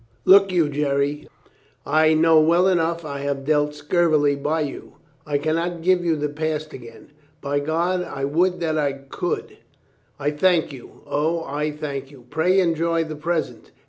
"Look you, Jerry. I know well enough I have dealt scurvily by you. I can not give you the past again. By God, I would that I could —" "I thank you, O, I thank you. Pray enjoy the present."